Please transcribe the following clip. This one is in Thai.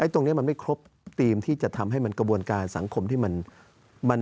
ตรงนี้มันไม่ครบทีมที่จะทำให้มันกระบวนการสังคมที่มัน